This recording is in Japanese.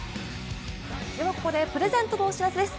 ここでプレゼントのお知らせです。